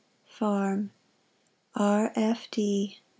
Farm R. F. D. No.